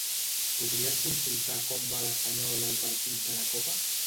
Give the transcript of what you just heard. Podries consultar com va l'Espanyol al partit de la copa?